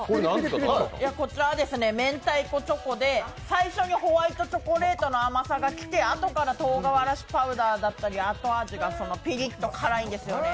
こちらは明太子チョコで最初にホワイトチョコレートの甘さがあとからとうがらしパウダーだったり後味がピリッと辛いんですよね。